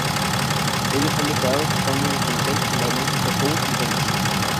Ellos han declarado que están muy influenciados por la música soul y dance.